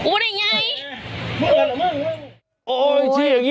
ฮ่ะแหละเหรอเมื่อง